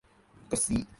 گسی